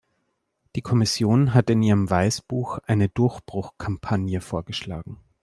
Die Kommission hat in ihrem Weißbuch eine Durchbruchkampagne vorgeschlagen.